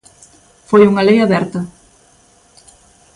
Foi unha lei aberta.